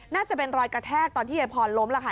น่าจะเป็นรอยกระแทกตอนที่ยายพรล้มล่ะค่ะ